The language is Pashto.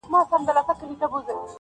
چي یې تاب د هضمېدو نسته وجود کي,